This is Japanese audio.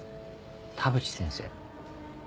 田淵先生。